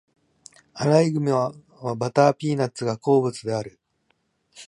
アライグマはピーナッツバターが好物である。